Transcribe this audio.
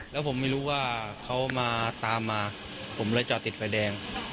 แล้วผมไม่รู้ว่าเขามาตามมาผมเลยจอดติดไฟแดง